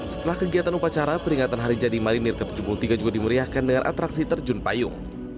setelah kegiatan upacara peringatan hari jadi marinir ke tujuh puluh tiga juga dimeriahkan dengan atraksi terjun payung